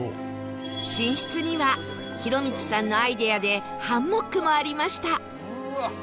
寝室には浩光さんのアイデアでハンモックもありました